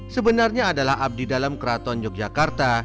sebenarnya adalah abdi dalam keraton yogyakarta